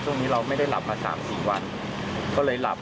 ช่วงนี้เราไม่ได้หลับมา๓๔วันก็เลยหลับ